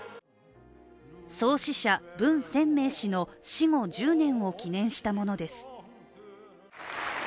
創始者・文鮮明氏の死後１０年を記念したものです。